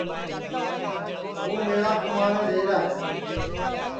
ہُُوں میݪا کُماٹؔیں جائیرا ہے